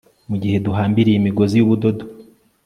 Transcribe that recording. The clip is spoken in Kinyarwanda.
Mugihe duhambiriye imigozi yubudodo